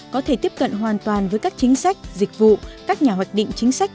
có thể tiếp cận hoàn toàn với các chính sách dịch vụ các nhà hoạch định chính sách